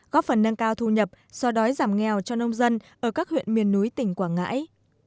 góp phần nâng cao thu nhập so đói giảm nghèo cho nông dân ở các huyện miền núi tỉnh quảng ngãi